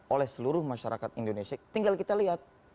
oleh seluruh masyarakat indonesia tinggal kita lihat